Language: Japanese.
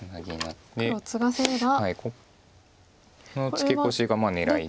このツケコシが狙いで。